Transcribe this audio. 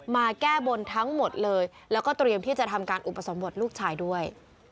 มาแก้บนทั้งหมดเลยแล้วก็เตรียมที่จะทำการอุปสมบทลูกชายด้วย